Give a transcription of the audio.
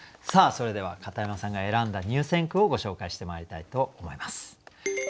さあそれでは片山さんが選んだ入選句をご紹介してまいりたいと思います。